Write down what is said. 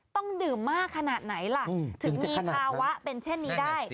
ต้องดื่มมากขนาดไหนล่ะถึงมีภาวะเป็นเช่นนี้ได้